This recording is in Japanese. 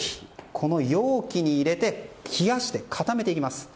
この容器に入れて冷やして固めていきます。